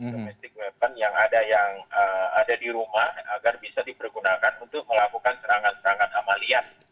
domestic weapon yang ada di rumah agar bisa dipergunakan untuk melakukan serangan serangan amalian